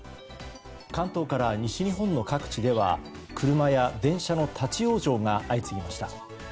関東から西日本の各地では車や電車の立ち往生が相次ぎました。